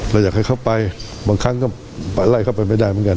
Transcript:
อยากให้เขาไปบางครั้งก็ไปไล่เข้าไปไม่ได้เหมือนกัน